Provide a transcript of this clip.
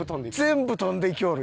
全部飛んでいきよる